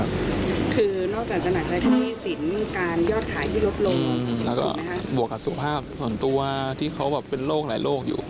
ปลวกับสภาพสัญละตัวที่เขาเป็นโลกหลายอยู่